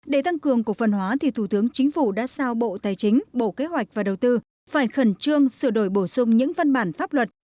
để tăng cường cổ phân hóa thì thủ tướng chính phủ đã sao bộ tài chính bộ kế hoạch và đầu tư phải khẩn trương sửa đổi bổ sung những văn bản pháp luật